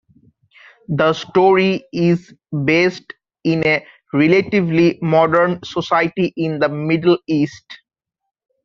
The story is based in a relatively modern society in the Middle East.